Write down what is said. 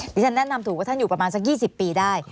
ที่ฉันแนะนำถูกว่าท่านอยู่ประมาณสัก๒๐ปีได้